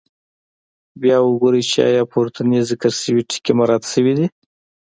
بیا وګورئ چې آیا پورتني ذکر شوي ټکي مراعات شوي دي.